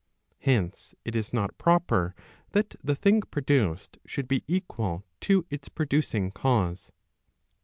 Hence, it is not proper that the thing produced should be equal to its producing cause.